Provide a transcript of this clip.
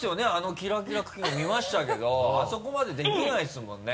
「キラキラクッキング」見ましたけどあそこまでできないですもんね。